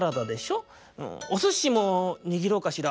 おすしもにぎろうかしら。